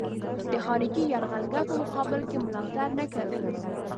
د خارجي یرغلګر په مقابل کې ملاتړ نه کوي.